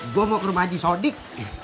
gue mau ke rumah di sodik